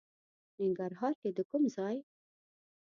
ننګرهار کې د کوم ځای؟